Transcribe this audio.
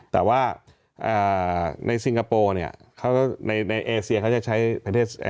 แต่ว่าในซิงคโปร์เนี่ยในเอเซียเขาจะใช้ประเทศ